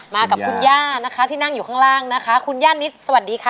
มากับคุณย่านะคะที่นั่งอยู่ข้างล่างนะคะคุณย่านิดสวัสดีค่ะ